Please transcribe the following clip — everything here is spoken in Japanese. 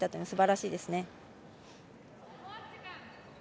すばらしいです。